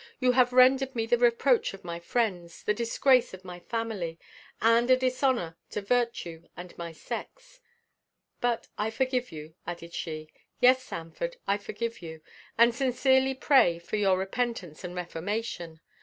You have rendered me the reproach of my friends, the disgrace of my family and a dishonor to virtue and my sex. But I forgive you," added she. "Yes, Sanford, I forgive you, and sincerely pray for your repentance and reformation.